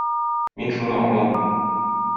Мин шуны аңладым.